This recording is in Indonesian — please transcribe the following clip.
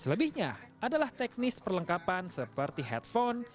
selebihnya adalah teknis perlengkapan seperti headphone